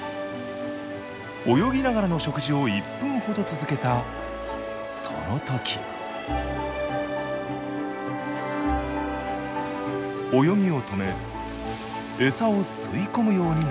泳ぎながらの食事を１分ほど続けたそのとき泳ぎを止め餌を吸い込むようになりました。